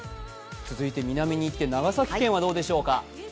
続いて南に行って、長崎県はどうでしょうか？